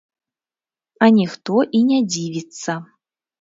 А ніхто і не дзівіцца.